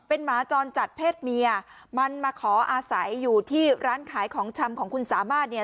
หมาจรจัดเพศเมียมันมาขออาศัยอยู่ที่ร้านขายของชำของคุณสามารถเนี่ย